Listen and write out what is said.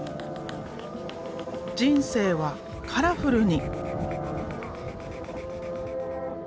人生はカラフルに。